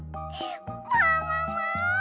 ももも！